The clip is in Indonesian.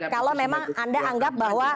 kalau memang anda anggap bahwa